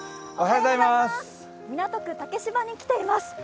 港区竹芝に来ています。